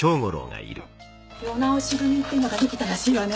世直し組ってのができたらしいわね